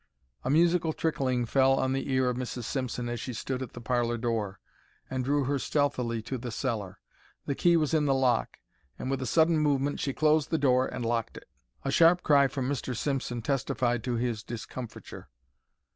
A musical trickling fell on the ear of Mrs. Simpson as she stood at the parlour door, and drew her stealthily to the cellar. The key was in the lock, and, with a sudden movement, she closed the door and locked it. A sharp cry from Mr. Simpson testified to his discomfiture.